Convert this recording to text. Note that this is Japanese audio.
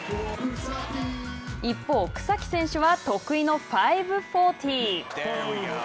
一方、草木選手は得意の５４０。